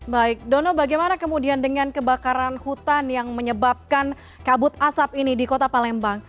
baik dono bagaimana kemudian dengan kebakaran hutan yang menyebabkan kabut asap ini di kota palembang